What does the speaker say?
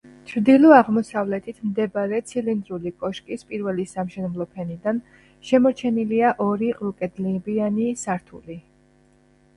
ჩრდილო-აღმოსავლეთით მდებარე ცილინდრული კოშკის პირველი სამშენებლო ფენიდან შემორჩენილია ორი ყრუკედლებიანი სართული.